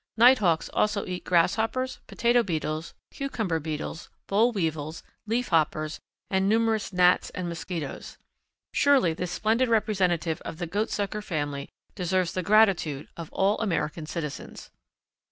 Nighthawks also eat grasshoppers, potato beetles, cucumber beetles, boll weevils, leaf hoppers, and numerous gnats and mosquitoes. Surely this splendid representative of the Goatsucker family deserves the gratitude of all American citizens.